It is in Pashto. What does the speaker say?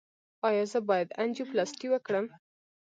ایا زه باید انجیوپلاسټي وکړم؟